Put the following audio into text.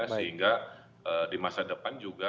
sehingga di masa depan juga